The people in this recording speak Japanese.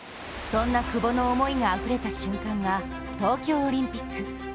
そんな久保の思いがあふれた瞬間が東京オリンピック。